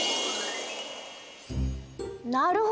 なるほど！